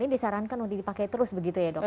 ini disarankan untuk dipakai terus begitu ya dok